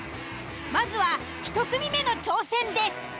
まずは１組目の挑戦です。